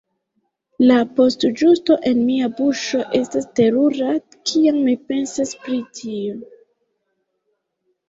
La postĝusto en mia buŝo estas terura kiam mi pensas pri tio.